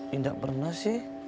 tidak pernah sih